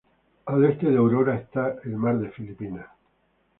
Al este de Aurora está el mar de Filipinas.